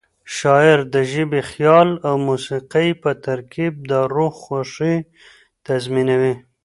شاعري د ژبې، خیال او موسيقۍ په ترکیب د روح خوښي تضمینوي.